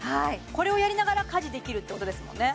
これをやりながら家事できるってことですもんね